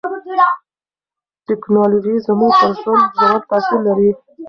ټکنالوژي زموږ پر ژوند ژور تاثیر لري.